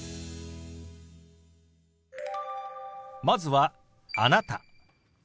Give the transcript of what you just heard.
まずは「あなた」。